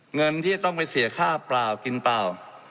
เงินที่จะต้องไปเสียค่าเปล่ากินเปล่า